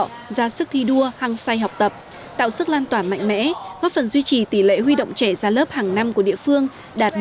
trước khi đua hăng say học tập tạo sức lan tỏa mạnh mẽ góp phần duy trì tỷ lệ huy động trẻ ra lớp hàng năm của địa phương đạt một trăm linh